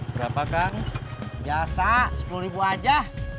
berapa kan biasa sepuluh aja